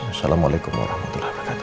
assalamualaikum warahmatullahi wabarakatuh